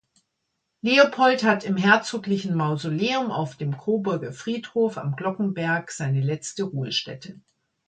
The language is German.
Leopold hat im Herzoglichen Mausoleum auf dem Coburger Friedhof am Glockenberg seine letzte Ruhestätte.